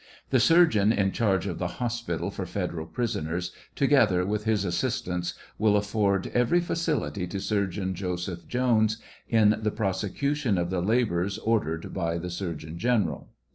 The snrgeon.in charge of the hospital for federal prisoners, together with his assistants, will afford every facility to Surgeon Joseph Jones in the prosecution of the labors ordered by the surgeon general.